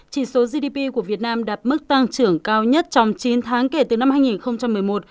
chỉ số gdp của việt nam đạt mức tăng trưởng cao nhất trong chín tháng kể từ năm hai nghìn một mươi một